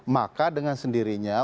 maka dengan sendirinya